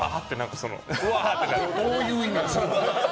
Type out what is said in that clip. どういう意味なの。